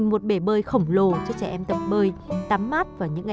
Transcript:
mọi tầng lớp cả phụ nữ